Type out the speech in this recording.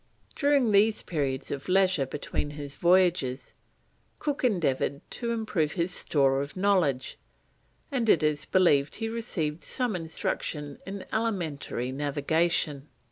During these periods of leisure between his voyages, Cook endeavoured to improve his store of knowledge, and it is believed he received some instruction in elementary navigation.